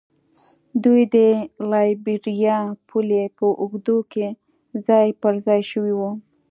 دوی د لایبیریا پولې په اوږدو کې ځای پر ځای شوي وو.